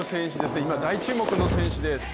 今、大注目の選手です。